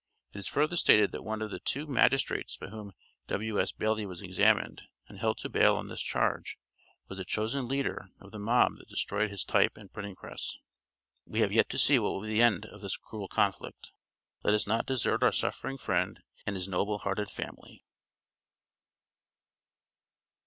It is further stated that one of the two magistrates by whom W.S. Bailey was examined, and held to bail on this charge, was the chosen leader of the mob that destroyed his type and printing press. We have yet to see what will be the end of this cruel conflict. Let us not desert our suffering friend and his noble hearted family.